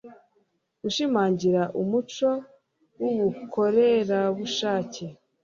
gushimangira umuco w'ubukorerabushake